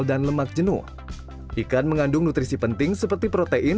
jadi ya kira kira mekanismenya seperti itu